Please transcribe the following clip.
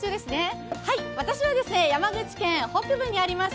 私は山口県北部にあります